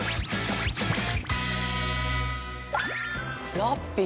ラッピィ！